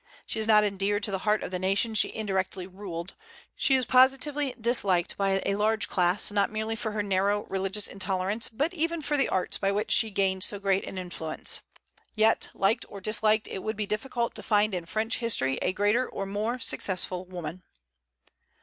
She is not endeared to the heart of the nation she indirectly ruled. She is positively disliked by a large class, not merely for her narrow religious intolerance, but even for the arts by which she gained so great an influence. Yet, liked or disliked, it would be difficult to find in French history a greater or more successful woman.